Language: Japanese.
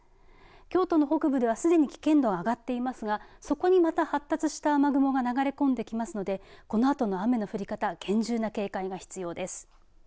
京都の北部ではすでに危険度が上がっていますがそこにまた発達した雨雲が流れ込んできますのでこのあとの雨の降り方厳重な警戒が必要です。